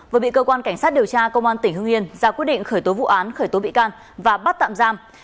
vừa bị cơ quan cảnh sát điều tra công an tỉnh hưng yên ra quyết định khởi tố vụ án khởi tố bị can và bắt tạm giam